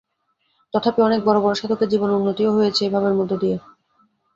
তথাপি অনেক বড় বড় সাধকের জীবনে উন্নতিও হয়েছে এই ভাবের মধ্য দিয়ে।